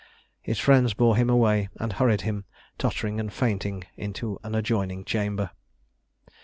His friends bore him away, and hurried him, tottering and fainting, into an adjoining chamber."